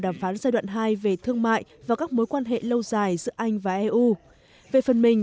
đàm phán giai đoạn hai về thương mại và các mối quan hệ lâu dài giữa anh và eu về phần mình